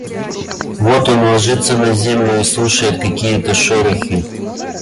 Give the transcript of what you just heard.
Вот он ложится на землю и слушает какие-то шорохи.